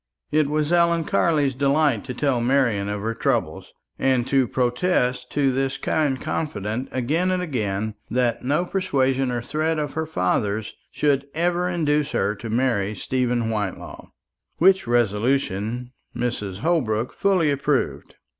It was Ellen Carley's delight to tell Marian of her trouble, and to protest to this kind confidante again and again that no persuasion or threats of her father's should ever induce her to marry Stephen Whitelaw which resolution Mrs. Holbrook fully approved.